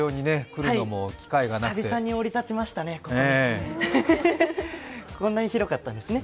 久々に降り立ちましたね。